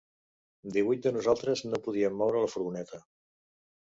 Divuit de nosaltres no podíem moure la furgoneta.